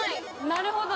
なるほど。